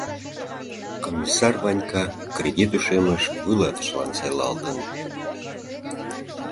Комиссар Ванька кредит ушемыш вуйлатышылан сайлалтын.